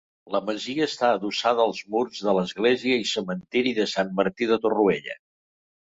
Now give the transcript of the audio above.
La masia està adossada als murs de l'església i cementiri de Sant Martí de Torroella.